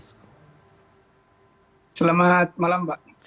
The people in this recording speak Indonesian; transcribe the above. selamat malam pak